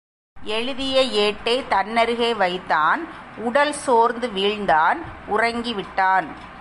எழுதிய ஏட்டைத் தன்னருகே வைத்தான் உடல் சோர்ந்து வீழ்ந்தான் உறங்கி விட்டான்.